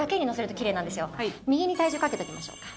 右に体重かけときましょうか。